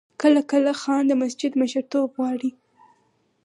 کله کله خان د مسجد مشرتوب غواړي.